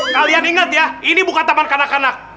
kalian ingat ya ini bukan taman kanak kanak